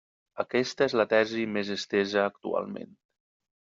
Aquesta és la tesi més estesa actualment.